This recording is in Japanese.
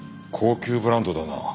高級ブランドだな。